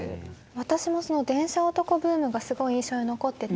私もその「電車男」ブームがすごい印象に残ってて。